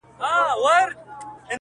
چي ځيني ئې د توبې مرغه هم بولي